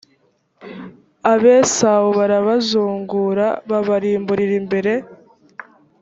abesawu barabazungura babarimburira imbere